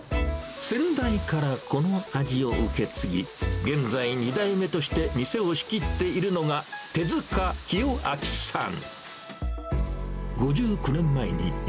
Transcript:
先代からこの味を受け継ぎ、現在、２代目として店を仕切っているのが、手塚清昭さん。